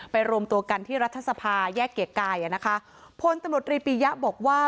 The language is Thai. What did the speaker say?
รวมตัวกันที่รัฐสภาแยกเกียรกายอ่ะนะคะพลตำรวจรีปียะบอกว่า